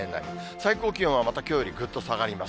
最高気温はまたきょうよりぐっと下がります。